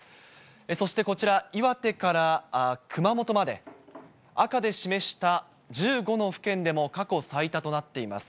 そしてこちら、岩手から熊本まで赤で示した１５の府県でも、過去最多となっています。